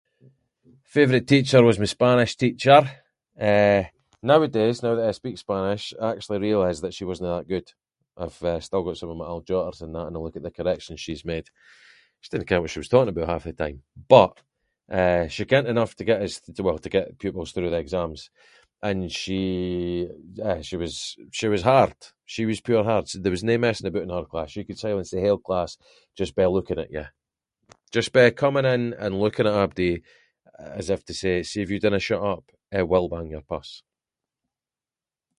Favourite teacher was my Spanish teacher, eh, nowadays, now that I speak Spanish, I actually realise that she wasnae that good, I’ve, eh, still got some of my old jotters and that, and I look at the corrections she’s made, she didnae ken what she was talking aboot half the time, but eh, she kent enough to get us through- well to get pupils through the exams, and she- eh, she was- she was hard, she was pure hard, there was no messing aboot in her class, she could silence the whole class just by looking at you, just by coming in and looking at abody, as if to say, see if you dinna shut up I will bang your pus.